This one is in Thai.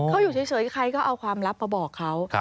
เขาอยู่เฉยใครก็เอาความลับมาบอกเขา